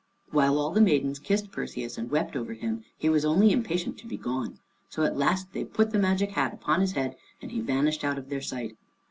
While all the maidens kissed Perseus and wept over him, he was only impatient to be gone. So at last they put the magic hat upon his head, and he vanished out of their sight.